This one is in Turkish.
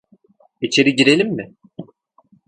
İçeri girelim mi?